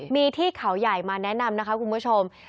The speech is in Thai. มีที่เขาใหญ่มาแนะนำนะคะคุณผู้ชม